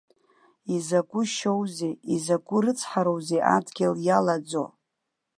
Изакәы шьоузеи, изакәы рыцҳароузеи адгьыл иалаӡо!